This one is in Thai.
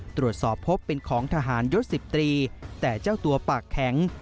ตรวจสอบพบเป็นของทหารยศ๑๐ตรีแต่เจ้าตัวปากแข็ง